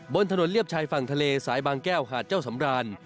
บนถนนเรียบชายฝั่งทะเลสายบางแก้วหาดเจ้าสำราน